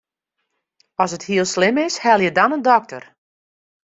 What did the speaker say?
As it hiel slim is, helje dan in dokter.